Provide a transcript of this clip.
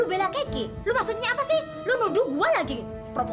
eh menzoli mi orang alim